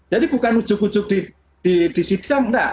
jadi bukan ujuk ujuk disitikkan enggak